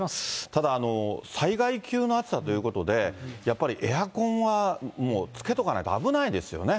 ただ、災害級の暑さということで、やっぱりエアコンは、もうつけとかないと危ないですよね。